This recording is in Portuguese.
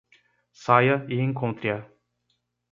Saia e encontre-a!